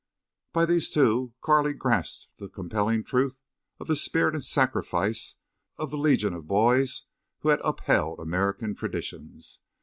By these two Carley grasped the compelling truth of the spirit and sacrifice of the legion of boys who had upheld American traditions.